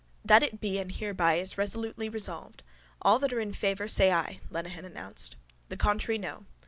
—That it be and hereby is resolutely resolved. All that are in favour say ay, Lenehan announced. The contrary no.